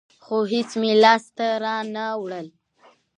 خو هېڅ مې لاس ته رانه وړل.